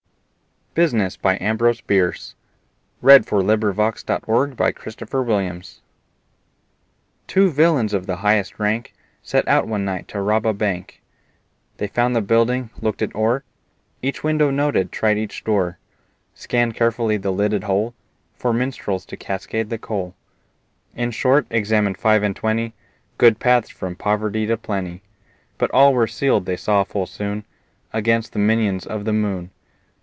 I hope it's you, For" (kicks the skull) "I'm Jake the Kangaroo." Ambrose Bierce Business TWO villains of the highest rank Set out one night to rob a bank. They found the building, looked it o'er, Each window noted, tried each door, Scanned carefully the lidded hole For minstrels to cascade the coal In short, examined five and twenty Good paths from poverty to plenty. But all were sealed, they saw full soon, Against the minions of the moon.